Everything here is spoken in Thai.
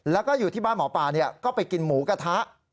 แล้วก็อยู่ที่บ้านหมอปลาก็ไปกินหมูกระทะ